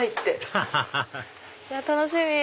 ハハハハ楽しみ！